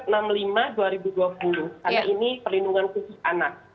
karena ini perlindungan kursus anak